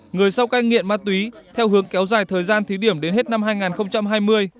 người sau cai nghiện ma túy theo hướng kéo dài thời gian thí điểm đến hết năm hai nghìn hai mươi